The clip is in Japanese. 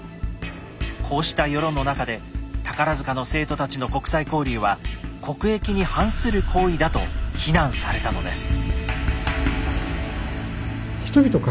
こうした世論の中で宝の生徒たちの国際交流は国益に反する行為だと非難されたのです。